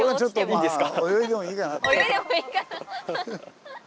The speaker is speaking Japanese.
いいですか？